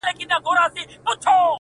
اوس په پوهېږمه زه!! اوس انسان شناس يمه!!